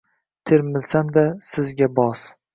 Termilsam-da sizga boz